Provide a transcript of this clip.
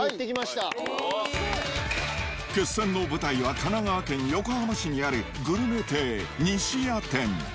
決戦の舞台は、神奈川県横浜市にあるぐるめ亭西谷店。